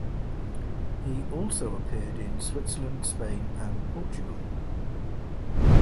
He also appeared in Switzerland, Spain and Portugal.